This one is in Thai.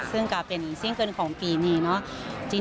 ซึ่งก็เป็นอีกซิ่งเกินของปีนี้เนอะ